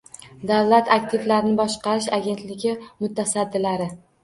Davlat aktivlarini boshqarish agentligi mutasaddilari